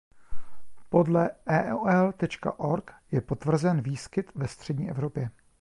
Podle eol.org je potvrzen výskyt ve střední Evropě.